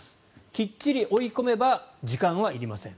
きっちり追い込めば時間はいりません。